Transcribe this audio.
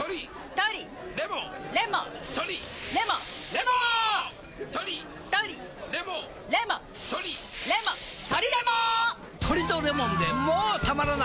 トリとレモンでもたまらない